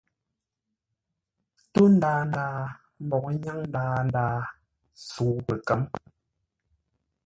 Ntó ndaa ndaa mbǒu nyáŋ ndaa ndaa, sə̌u pəkə̌m.